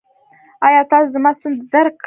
ایا تاسو زما ستونزه درک کړه؟